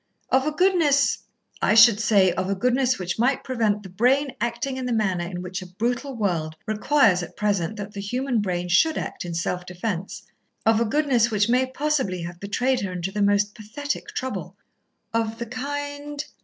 "Of a goodness, I should say of a goodness which might prevent the brain acting in the manner in which a brutal world requires at present that the human brain should act in self defence. Of a goodness which may possibly have betrayed her into the most pathetic trouble." "Of the kind